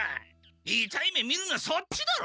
いたい目みるのはそっちだろ！